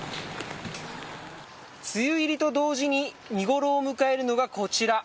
梅雨入りと同時に見頃を迎えるのがこちら。